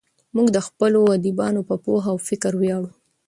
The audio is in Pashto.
موږ د خپلو ادیبانو په پوهه او فکر ویاړو.